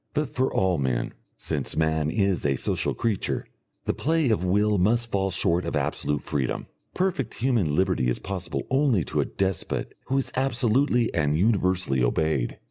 But for all men, since man is a social creature, the play of will must fall short of absolute freedom. Perfect human liberty is possible only to a despot who is absolutely and universally obeyed.